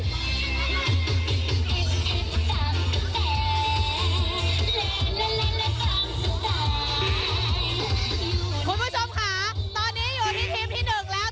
คุณผู้ชมค่ะตอนนี้อยู่ที่ทีมที่๑แล้ว